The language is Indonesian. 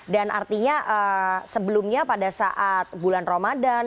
dan artinya sebelumnya pada saat bulan ramadan